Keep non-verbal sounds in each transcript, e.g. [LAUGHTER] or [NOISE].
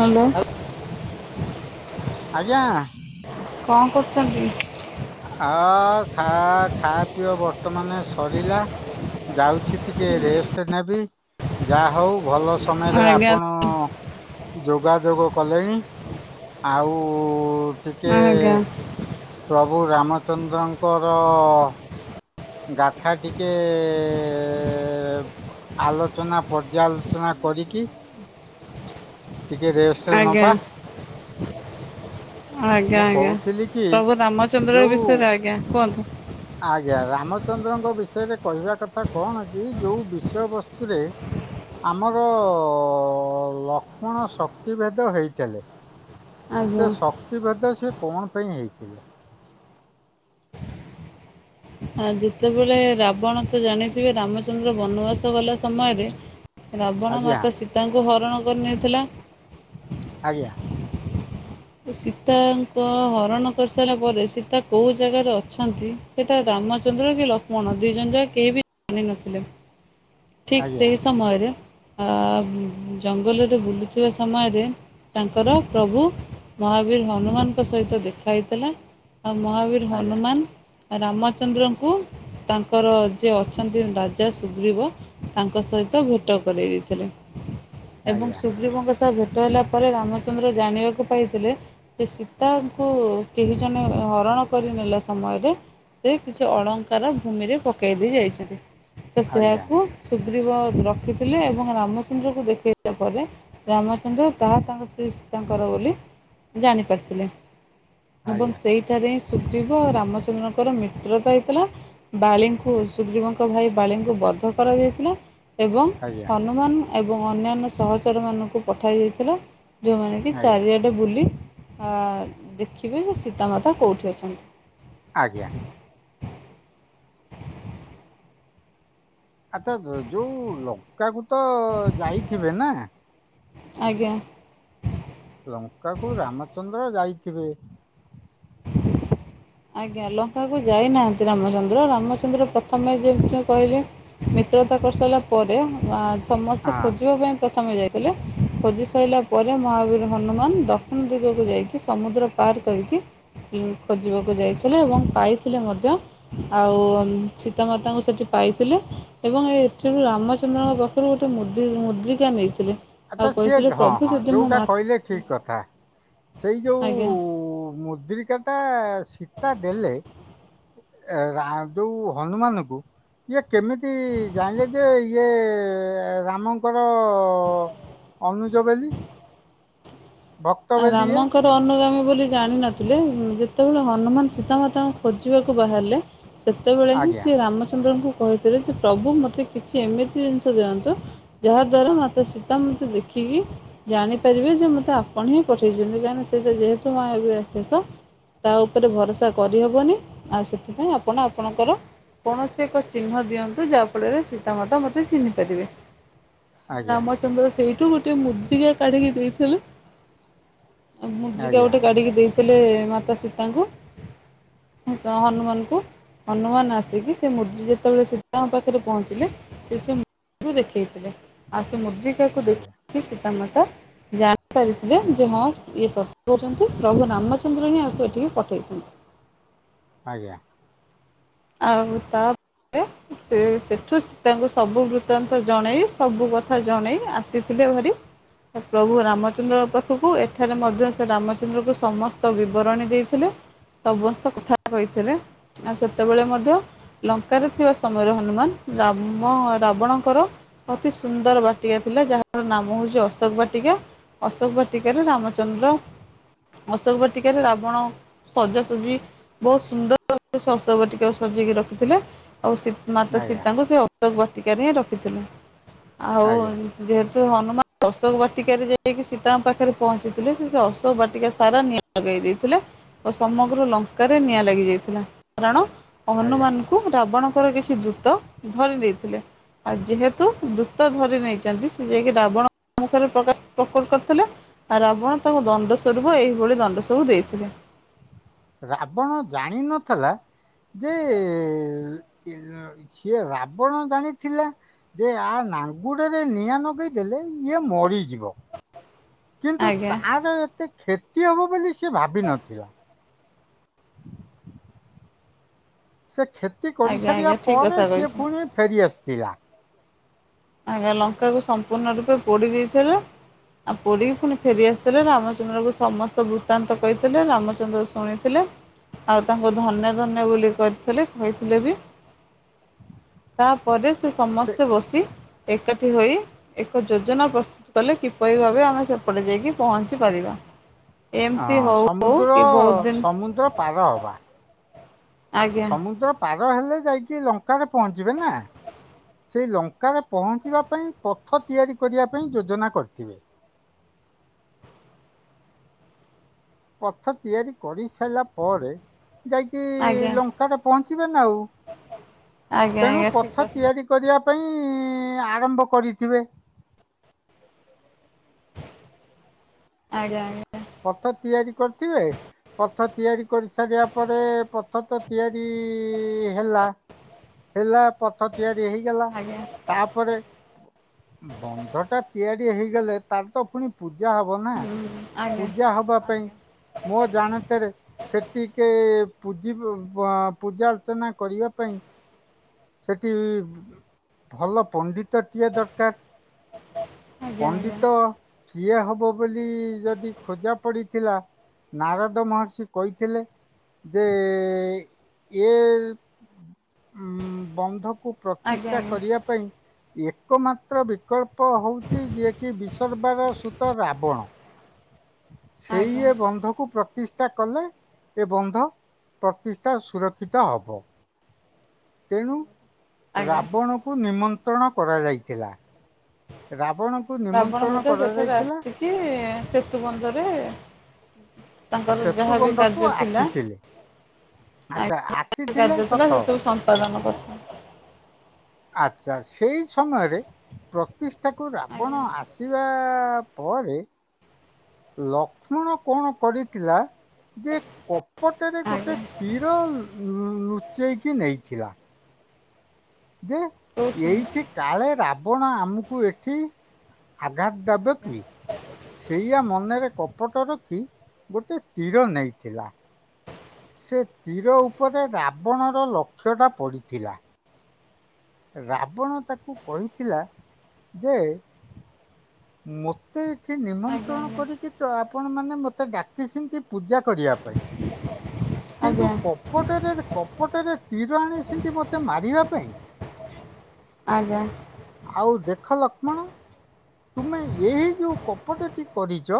Hello. ଆଜ୍ଞା। କଣ କରୁଚନ୍ତି? ଆଓ ଖା ଖା ପିଅ ବର୍ତ୍ତମାନେ ସରିଲା। ଯାଉଛି ଟିକେ ରେଷ୍ଟ ନେବି। ଯା ହଉ ଭଲ ତମେରେ ଆଜ୍ଞା ଆପଣ ଯୋଗାଯୋଗ କଲେଣି ଆଉ ଟିକେ ମା ଆଜ୍ଞା। ପ୍ରଭୁ ରାମଚନ୍ଦ୍ରଙ୍କର ଗାଥା ଟିକେ ଆଲୋଚନା ପର୍ଯ୍ୟାଲୋଚନା କରିକି ଟିକେ ରେଷ୍ଟ ନବା। ଆଜ୍ଞା ମୁଁ ଆଜ୍ଞା କହୁଥିଲି କି ପ୍ରଭୁ ରାମଚନ୍ଦ୍ର ଯୋଉ ବିଷୟରେ ଆଜ୍ଞା କୁହନ୍ତୁ। ଆଜ୍ଞା ରାମଚନ୍ଦ୍ରଙ୍କ ବିଷୟରେ କହିବା କଥା କଣ କି ଯୋଉ ବିଷୟ ବସ୍ତୁରେ ଆମର ଲକ୍ଷ୍ମଣ ଶକ୍ତିଭେଦ ହେଇଥେଲେ। ସେ ଆଜ୍ଞା। ଶକ୍ତିଭେଦ ସେ କଣ ପାଇଁ ହେଇଥିଲେ? ଆଁ ଯେତେବେଳେ ରାବଣ ତ ଜାଣିଥିବେ ରାମଚନ୍ଦ୍ର ବନବାସ ଗଲା ସମୟରେ ରାବଣ ଆଜ୍ଞା ମାତା ସୀତାଙ୍କୁ ହରଣ କରି ନେଇଥିଲା। ଆଜ୍ଞା। ସୀତାଙ୍କ ହରଣ କରିସାରିଲା ପରେ ସୀତା କୋଉ ଜାଗାରେ ଅଛନ୍ତି? ସେଟା ରାମଚନ୍ଦ୍ରକି ଲକ୍ଷ୍ମଣ ଦିଇଜଣ ଯାକ କେହିବି ଜାନିନଥିଲେ। ଠିକ୍ ଆଜ୍ଞା ସେହି ସମୟରେ ଆ ଜଙ୍ଗଲରେ ବୁଲୁଥିବା ସମୟରେ ତାଙ୍କର ପ୍ରଭୁ ମହାବୀର୍ ହନୁମାନଙ୍କ ସହିତ ଦେଖା ହେଇଥିଲା। ଆଉ ମହାବୀର ଆଜ୍ଞା ହନୁମାନ ରାମଚନ୍ଦ୍ରଙ୍କୁ ତାଙ୍କର ଯିଏ ଅଛନ୍ତି ରା ରାଜା ସୁଗ୍ରୀବ ତାଙ୍କ ସହିତ ଭେଟ କରେଇ ଦେଇଥିଲେ ଏବଂ ଆଜ୍ଞା ସୁଗ୍ରୀବଙ୍କ ସ ହିତ ଭେଟହେଲା ପରେ ରାମଚନ୍ଦ୍ର ଜାଣିବାକୁ ପାଇଥିଲେ ଯେ ସୀତାଙ୍କୁ କେହି ଜଣେ ହରଣ କରିନେଲା ସମୟରେ ସେକିଛି ଅଳଙ୍କାର ଭୂମିରେ ପକେଇ ଦେଇ ଯାଇଛନ୍ତି ସେ ଆଜ୍ଞା ସେଆକୁ ସୁଗ୍ରୀବ ରଖିଥିଲେ ଏବଂ ରାମଚନ୍ଦ୍ରକୁ ଦେଖେଇବା ପରେ ରାମଚନ୍ଦ୍ର ତାହା ତାଙ୍କ ସ୍ତ୍ରୀ ସତାଙ୍କର ବୋଲି ଜାଣି ପାରିଥିଲେ। ଏବଂ ଆଜ୍ଞା ସେଇ ଠାରେ ସୁଗ୍ରୀବ ରାମଚନ୍ଦ୍ରଙ୍କର ମିତ୍ରତା ହେଇଥିଲା ବାଳିଙ୍କୁ ସୁଗ୍ରୀବଙ୍କ ତ ଭାଇ ବାଳୀଙ୍କୁ ବଦ୍ଧ କରାଯାଇଥିଲା ଏବଂ ଆଜ୍ଞା ହନୁମାନ ଏବଂ ଅନ୍ୟାନ୍ୟ ସହଚର ମାନଙ୍କୁ ପଠାଇ ଦେଇଥିଲେ ଯେଉଁମାନେ କି ଆଜ୍ଞା ଚାରିଆ ଆଡ଼େ ବୁଲି ଆ ଦେଖିବେଯେ ସୀତାମାତା କୋଉଠି ଅଛନ୍ତି। ଆଜ୍ଞା। ଆଚ୍ଚା ଯ ଯୋଉ ଲଙ୍କାକୁତ ଯାଇଥିବେନା? ଆଜ୍ଞା। ଲଙ୍କାକୁ ରାମଚନ୍ଦ୍ର ଯାଇଥିବେ। ଆଜ୍ଞା ଲଙ୍କାକୁ ଯାଇନାହାନ୍ତି ରାମଚନ୍ଦ୍ର ରାମଚନ୍ଦ୍ର ପ୍ରଥମେ ଯେମିତି କହିଲେ ମିତ୍ରତା କରିସାରିଲା ପରେ ଅଁ ସମସ୍ତେ ହଁ ଖୋଜିବା ପାଇଁ ପ୍ରଥମେ ଯାଇ ଥିଲେ ଖୋଜି ସାଇଲାପରେ ମହାବୀର ହନୁମାନ ଦକ୍ଷିଣ ଦିଗକୁ ଯାଇକି ସମୁଦ୍ର ପାର କରିକି ଉଁ ଖୋଜିବାକୁ ଯାଇଥିଲେ ଏବଂ ପାଇଥିଲେ ମଧ୍ୟ ଆଉ ସୀତାମାତାଙ୍କୁ ସେଠି ପାଇଥିଲେ ଏବଂ ଏଥିରୁ ରାମଚନ୍ଦ୍ରଙ୍କ ହାତରୁ ଗୋଟେ ମୁଦି ମୁଦ୍ରିକା ନେଇଥିଲେ। ଆଉ ଆଚ୍ଛା ସିଏ କହିଥିଲେ ହଁ ପ୍ରଭୁ ହଁ ଯଦି ମୋ ଯୋଉଟା ମା କହିଲେ ଠିକ୍ କଥା। ସେଇ ଯୋଉଁ ଆଜ୍ଞା ମୁଦ୍ରିକାଟା ସୀତା ଦେଲେ ଏ ରା ଯୋଉ ହନୁମାନକୁ ଇଏ କେମିତି ଜାଣିଲେଯେ ଇଏ ରାମଙ୍କର ଅନୁଜ ବୋଲି। ଭକ୍ତ ଆ ବୋଲି ଇଏ ରାମଙ୍କର ଅନୁଗାମୀ ବୋଲି ଜାଣିନଥିଲେ ଯେତେବେଳେ ହନୁମାନ ସୀତାମାତାଙ୍କୁ ଖୋଜିବାକୁ ବାହାରିଲେ ସେତେବେଳେ ହିଁ ଆଜ୍ଞା ସେରାମଚନ୍ଦ୍ରଙ୍କୁ କହିଥିଲେଯେ ପ୍ରଭୁ ମୋତେ କିଛି ଏମିତି ଜିନିଷ ଦିଅନ୍ତୁ। ଯାହାଦ୍ୱାରା ମୋତେ ସୀତା ମାତା ଦେଖିକି ଜାଣିପାରିବେ ଯେ ମୋତେ ଆ ଆପଣହିଁ ପଠେଇଛନ୍ତି କାହିଁକିନା ସେଇଟା ଯେହେତୁ ମାୟାବୀ ରାକ୍ଷସ ତାଉପରେ ଭରସା କରିହେବନି ଆଉ ସେଥିପାଇଁ ଆପଣ ଆପଣଙ୍କର କୌଣସି ଏକ ଚିହ୍ନ ଦିଅନ୍ତୁ ଯାହାଫଳରେ ସୀତାମାତା ମୋତେ ଚିହ୍ନିପାରିବେ। ଆଜ୍ଞା ରାମଚନ୍ଦ୍ର ସେଇଠୁ ଗୋଟେ ମୁଦ୍ରିକା କାଢିକି ଦେଇଥିଲୁ। ଆ ମୁଦ୍ରିକା ଆଜ୍ଞା ଗୋଟେ କାଢିକି ଦେଇଥିଲେ ମାତା ସୀତାଙ୍କୁ ସ ହନୁମାନଙ୍କୁ। ହନୁମାନ ଆସିକି ସେମୁଦ୍ରି ଯେତେବେଳେ ସୀତାଙ୍କ ପାଖରେ ପହଞ୍ଚିଲେ ସିଏ ସେମୁଦିକୁ ଦେଖେଇଥିଲେ ଆଉ ସେ ମୁଦ୍ରି କାକୁ ଆଜ୍ଞା ଦେଖିକି ସୀତାମାତା ଜାଣିପାରି ଯେ ହଁ ଇଏ ସତ କହୁଛନ୍ତି ପ୍ରଭୁ ରାମଚନ୍ଦ୍ର ହିଁ ଏହାକୁ ଏଠିକି ପଠାଇଛନ୍ତି। ଆଜ୍ଞା। ଆଉ ତାପରେ ସେସେଠୁ ସୀତାଙ୍କୁ ସବୁ ବୃତ୍ତାନ୍ତ ଜଣେଇ ସବୁ କଥା ଜଣେଇ ଆସିଥିଲେ ଭାରି। ସେ ପ୍ରଭୁ ରାମଚନ୍ଦ୍ରଙ୍କ ପାଖକୁ ଏଠାରେ ମଧ୍ୟ ସେ ରାମଚନ୍ଦ୍ରକୁ ସମସ୍ତ ବିବରଣୀ ଦେଇଥିଲେ। ସମସ୍ତ କଥା କହିଥିଲେ ଆଉ ସେତେବେଳେ ମଧ୍ୟ ଲଙ୍କାରେ ଥିବା ସମୟରେ ହନୁମାନ ରାମ ରାବଣଙ୍କର ଅତି ସୁନ୍ଦର ବାଟିକା ଥିଲା ଯାହାର ନାମ ହଉଛି ଅଶୋକ ବାଟିକା। ଅଶୋକ ବାଟିକାରେ ରାମଚନ୍ଦ୍ର ଅଶୋକ ବାଟିକାରେ ରାବଣ ସଜାସଜି ବହୁତ ସୁନ୍ଦର ସ ଅଶୋକ ବାଟିକାକୁ ସଜେଇକି ରଖିଥିଲେ ଆଉ ସୀ ମାତା ଆଜ୍ଞା ସୀତାଙ୍କୁ ସେ ତ ବାଟିକାରେ ହିଁ ରଖିଥିଲା ଆଉ ଆଜ୍ଞା ଯେହେତୁ ହନୁମାନ ଅଶୋକ ବାଟିକାରେ ଯାଇକି ସୀତାଙ୍କ ପାଖରେ ପହଞ୍ଚିଥିଲେ ସେ ସେ ଅଶୋକ ବାଟିକା ସାରା ନିଆଁ ଲଗେଇ ଦେଇଥିଲେ ଓ ସମଗ୍ର ଲଙ୍କାରେ ନିଆଁ ଲାଗିଯାଇଥିଲା କାରଣ ଆଜ୍ଞା ହନୁମାନ କୁ ରାବଣଙ୍କର କିଛି ଦୂତ ଧରି ନେଇଥିଲେ। ଆଉ ଯେହେତୁ ଦୂତ ଧରି ନେଇଛନ୍ତି ସେ ଯାଇକି ରାବଣ ମୁଖରେ ପ୍ରକାଶ ପ୍ରକପ କରିଥିଲେ। ଆ ରାବଣ ତାକୁ ଦଣ୍ଡ ସ୍ୱରୂପ ଏହିଭଳି ଦଣ୍ଡ ସବୁ ଦେଇଥିଲେ। ରାବଣ ଜାଣିନଥିଲା ଯେ ଇ ସିଏ ରାବଣ ଜାଣିଥିଲା। ଯେ ଆ ନାଙ୍ଗୁଡରେ ନିଆଁ ନଗେଇଦେଲେ ଇଏ ମରିଯିବ। କିନ୍ତୁ ଆଜ୍ଞା ତାର ଏତେ କ୍ଷତି ହବ ବୋଲି ସେ ଭାବିିନଥିଲା। ସେ କ୍ଷତି ଆଜ୍ଞା କରିସାରିବା ଆଜ୍ଞା ଠିକ ପରେ କଥା ସିଏ କହିଛନ୍ତି। ପୁଣି ଫେରିଆସିଥିଲା। ଆଜ୍ଞା ଲଙ୍କାକୁ ସମ୍ପୂର୍ଣ୍ଣ ରୂପେ ପୋଡି ଦେଇଥିଲା। ଆଉ ପୋଡିକି ପୁଣି ଫେରିଆସିଥିଲେ ରାମଚନ୍ଦ୍ରଙ୍କୁ ସମସ୍ତ ବୃତ୍ତାନ୍ତ କହିଥିଲେ ରାମଚନ୍ଦ୍ର ଶୁଣିଥିଲେ। ଆଉ ତାଙ୍କୁ ଧନ୍ୟ ଧନ୍ୟ ବୋଲି କରିଥିଲେ କହିଥିଲେ ବି ତା ପରେ ସେ ସମସ୍ତେ ବସି ଏକାଠି ହୋଇ ଏକ ଯୋଜନା ପ୍ରସ୍ତୁତ କଲେ କିପରି ଭାବେ ଆମେ ସେପଟେ ଯାଇକି ପହଞ୍ଚି ପାରିବା। ଏମତି ହଁ, ହଉ ହଉ ସମୁଦ୍ର କି ଭୋଉତ ଦିନ ସମୁଦ୍ର ପାର ହବା। ଆଜ୍ଞା ସମୁଦ୍ର ପାର ହେଲେ ଯାଇକି ଲଙ୍କାରେ ପହଞ୍ଚିବେ ନା। ସେଇ ଲଙ୍କାରେ ପହଞ୍ଚିବା ପାଇଁ ପଥ ତିଆରି କରିବା ପାଇଁ ଯୋଜନା କରିଥିବେ। ପଥ ତିଆରି କରିସାରିଲା ପରେ ଯାଇ କି ଆଜ୍ଞା ଲଙ୍କାରେ ପହଞ୍ଚିବେ ନା ଆଉ ଆଜ୍ଞା ତେଣୁ ଆଜ୍ଞା ଠିକ ପଥ କଥା ତିଆରି କରିବା ପାଇଁ ଆରମ୍ଭ କରିଥିବେ। ଆଜ୍ଞା ଆଜ୍ଞା। ପଥ ତିଆରି କରିଥିବେ। ପଥ ତିଆରି କରିସାରିବା ପରେ ପଥ ତ ତିଆରି ହେଲା। ହେଲା ପଥ ତିଆରି ହେଇଗଲା ଆଜ୍ଞା ତାପରେ ବନ୍ଧ ଟା ତିଆରି ହେଇଗଲେ ତାର ତ ପୁଣି ପୂଜା ହବ ନା। ହୁଁ ଆଜ୍ଞା ପୂଜା ହବା ପାଇଁ ଆଜ୍ଞା ମୋ ଜାଣତରେ ସେତିିକେ ପୂଜି ଅ ପୂଜା ଅର୍ଚ୍ଚନା କରିବା ପାଇଁ ସେଟି ଭଲ ପଣ୍ଡିତଟିଏ ଦରକାର। ଆଜ୍ଞା ପଣ୍ଡିତ କିଏ ହବ ବୋଲି ଯଦି ଖୋଜା ପଡିଥିଲା। ନାରଦ ମହର୍ଷି କଇଥିଲେ ଯେ ଇଏ ଉଁ ବନ୍ଧକୁ ପ୍ରତିଷ୍ଠା ଆଜ୍ଞା କରିବା ପାଇଁ। ଏକ ମାତ୍ର ବିକଳ୍ପ ହଉଛି ଯିଏକି ବିସର୍ବାର ସୂତ ରାବଣ। [INAUDIBLE] ଆଜ୍ଞା ସେଇ ଆଜ୍ଞା ଏ ବନ୍ଧକୁ ପ୍ରତିଷ୍ ଷ୍ଟା କଲେ ଏ ବନ୍ଧ ପ୍ରତିଷ୍ଠା ସୁରକ୍ଷିତ ହେବ। ତେଣୁ ଆଜ୍ଞା ରାବଣକୁ ନିମନ୍ତ୍ରଣ କରାଯାଇଥିଲା। ରାବଣଙ୍କୁ ନିମନ୍ତ୍ରଣ କରାଯାଇଥିଲା। କି ସେତୁ ବନ୍ଧରେ ତାଙ୍କର ସେତୁ ଯାହାବି ବନ୍ଧକୁ କାର୍ଯ୍ୟ ଥିଲା ଆସିଥିଲେ ଆଚ୍ଛା [UNINTELLIGIBLE] ଆସିଥିଲେ କାର୍ଯ୍ୟ ଥିଲା ସତ ସେ ସବୁ ସ [UNINTELLIGIBLE] ଆଚ୍ଛା ସେଇ ସମୟରେ ପ୍ରତିଷ୍ଠାକୁ ଆଜ୍ଞା ରାବଣ ଆସେ ବା ପରେ ଲକ୍ଷ୍ମଣ କଣ କରିଥିଲା ଯେ କପଟରେ ଗୋଟେ ଆଜ୍ଞା ତି ର ଲୁଚେଇକି ନେଇଥିଲା। ଯେ କହୁଛି ଏଇଠି କାଳେ ରାବଣ ଆମକୁ ଏଠି ଆଘାତ ଦେବେ ଆଜ୍ଞା କି? ସେଇଆ ମନରେ କପଟ ରଖି ଗୋଟେ ତୀର ନେଇଥିଲା। ସେ ତୀର ଉପରେ ରାବଣର ଲକ୍ଷ୍ୟଟା ପଡ଼ିଥିଲା। ରାବଣ ତାକୁ କହିଥିଲା ଯେ ମୋତେ ଏଠି ଆଜ୍ଞା ନିମନ୍ତ୍ରଣ ଆଜ୍ଞା କରି କି ତ ଆପଣ ମାନେ ମୋତେ ଡାକି ଛନ୍ତି ପୂଜା କରିବା ପାଇଁ। କିନ୍ତୁ ଆଜ୍ଞା କପଟରେ କପଟରେ ତୀର ଆଣିଚନ୍ତି ମତେ ମାରିବା ପାଇଁ। ଆଜ୍ଞା। ଆଉ ଦେଖ ଲକ୍ଷ୍ମଣ ତୁମେ ଏହି ଯୋଉ କପଟଟି କରିଛ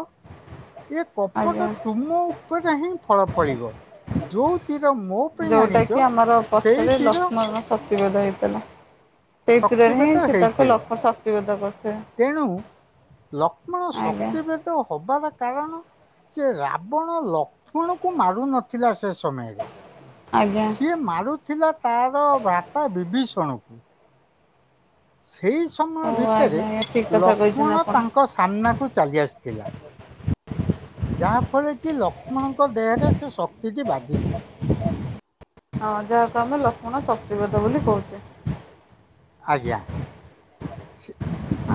ଏ ଆଜ୍ଞା କପଟ ତୁମ ଉପରେ ହିଁ ଫଳ ଫଳିବ ଯେଉଁ ତୀର ମୋ ପାଇଁ ଯୋଉଟା ଆଣିଛ ସେଇ ତୀର ଶକ୍ତିବଧ ହେଇଥିଲା। ସେଇଥିରେ ହିଁ ଶକ୍ତିବେଦ ସେ ତାକୁ ହେଇଥିଲା ଲକ ଶକ୍ତୀ ବିଧ ତେଣୁ କରିଥାଏ। ଲକ୍ଷ୍ମଣ ଶକ୍ତି ଭେଦ ହବାର କାରଣ ସେ ରାବଣ ଲକ୍ଷ୍ମଣକୁ ମାରୁ ନଥିଲା ସେ ସମୟରେ। ଆଜ୍ଞା ସିଏ ମାରୁଥିଲା ତାର ଭ୍ରାତା ବିଭୀଷଣ କୁ। ସେଇ ସମୟ ହଉ ଭିତରେ ଆଜ୍ଞା ଆଜ୍ଞା ଠିକ୍ କଥା କହିଛନ୍ତି ଲକ୍ଷ୍ମଣ ଆପଣ। ତାଙ୍କ ସାମ୍ନାକୁ ଚାଲି ଆସିଥିଲା। ଯାହାଫଳରେ କି ଲକ୍ଷ୍ମଣଙ୍କ ଦେହରେ ସେ ଶକ୍ତିଟି ବାଜିିଥିଲେ। ହଁ ଯାହାକୁ ଆମେ ଲକ୍ଷ୍ମଣ ଶକ୍ତି ଭେଦ ବୋଲି କହୁଛେ। ଆଜ୍ଞା ସେ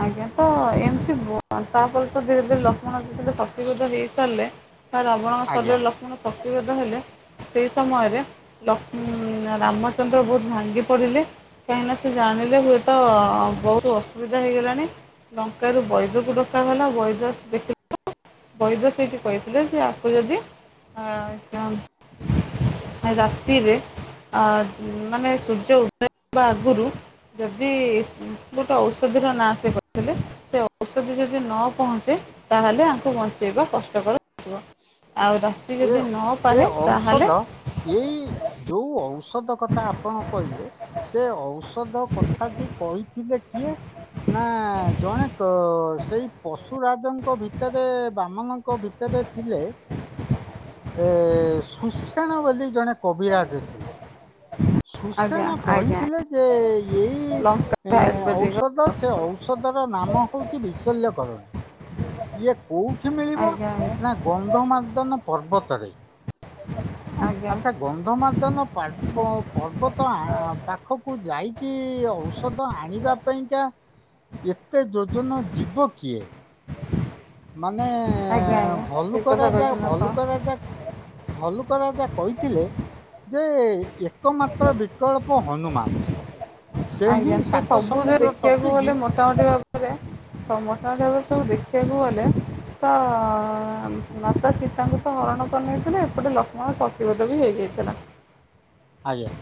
ଆଜ୍ଞା ତ ଏମିତି ବ ତାପରେ ତ ଧୀରେ ଧୀରେ ଲକ୍ଷ୍ମୀନ ଜେତେଳେ ଶକ୍ତୀ ବିଧ ହେଇ ସାରିଲେ। ରାବଣଙ୍କ ଆଜ୍ଞା ଶରୀରରେ ଲକ୍ଷ୍ମଣ ଶକ୍ତିଭେଦ ହେଲେ। ସେଇ ସମୟରେ ଲକ୍ଷ୍ମୀ ରାମଚନ୍ଦ୍ର ବହୁତ ଭାଙ୍ଗି ପଡିଲେ। କାହିଁକିନା ସେ ଜାଣିଲେ ହୁଏତ ବହୁତ ଅସୁବିଧା ହେଇଗଲାଣ ଣି ଲଙ୍କାରୁ ବୈଦକୁ ଡକାଗଲା ବୈଦ ସେ ଦେଖ ବୈଦ ସେଇଠି କହିଥିଲେ ଯେ ଆକୁ ଯଦି ଆଁ କ ରାତିରେ ଅ ମାନେ ସୂର୍ଯ୍ୟ ଉଦୟବା ଆଗରୁ ଯଦି ଗୋଟେ ଔଷଧିର ନାଁ ସେ କହିଥିଲେ। ସେ ଔଷଧି ଯଦି ନ ପହଞ୍ଚେ ତାହେଲେ ଆ ଙ୍କୁ ବଞ୍ଚେଇବା କଷ୍ଟକର ହେଥିବ ଆଉ ରାତି ଏ ଯଦି ଏ ନପାହେ ଔଷଧ ତାହେଲେ ଏଇ ଯୋଉ ଔଷଧ କଥା ଆପଣ କହିଲେ। ସେ ଔଷଧ କଥାଟି କହିଥିଲେ କିଏ। ନା ଜଣେ କ ସେଇ ପଶୁରାଜଙ୍କ ଭିତରେ ବାମନଙ୍କ ଭିତ ତରେ ଥିଲେ। ଏ ସୁଷେଣ ବୋଲି ଜଣେ କବିରାଜ ଥିଲେ। ଆଜ୍ଞା ସୁସେଣ ଆଜ୍ଞା କହିଥିଲେ ଯେ ଏଇ ଲଙ୍କା ଆୟୁର୍ବେଦିକ ଔଷଧ ସେ ଔ ଷଧର ନାମ ହଉଛି ବିଲଲ୍ୟ କରଣି ଇଏ କୋଉଠି ମିଳିବ ଆଜ୍ଞା ଆଜ୍ଞା ନା ଗନ୍ଧମାର୍ଦ୍ଧନ ପର୍ବତରେ। ଆଜ୍ଞା ଆଚ୍ଛା ଗନ୍ଧମାର୍ଦ୍ଧନ ପାର୍ବ ପର୍ବତ ଆଁ ଆ ପାଖକୁ ଯାଇକି ଔଷଧ ଆଣିବା ପାଇଁକା ଏତେ ଯୋଜନ ଯିବ କିଏ। ମାନେ ଆଜ୍ଞା ଆଜ୍ଞା ଠିକ୍ ଭଲ୍ଲୁକ କଥା ରାଜା କହିଛନ୍ତି ଆପଣ। ଭଲ୍ଲୁକ ରାଜା ଭଲ୍ଲୁକ ରାଜା କହିଥିଲେ ଯେ ଏକମାତ୍ର ବିକଳ୍ପ ହନୁମାନ। ସେ ହିଁ ଆଜ୍ଞା ସେ ସାତ ସବୁ ସମୁଦ୍ର ଦେଖିବାକୁ ଗଲେ ଟପିକି ମୋଟାମୋଟି ଭାବରେ ସମସ୍ତ ଙ୍କ ଠାରୁ ସବୁ ଦେଖିବାକୁ ଗଲେ ତ ମାତା ସୀତାଙ୍କୁ ହରଣ କରି ନେଇଥିଲେ, ଏପଟେ ଲକ୍ଷ୍ମଣ ସତିବେଦ ବି ହେଇଯାଇଥିଲା। ଆଜ୍ଞା।